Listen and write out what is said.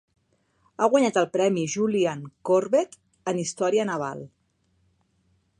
Ha guanyat el Premi Julian Corbett en Història naval.